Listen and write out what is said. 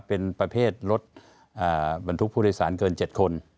เป็นประเภทรถบรรทุกผู้โดยสารเกิน๗คน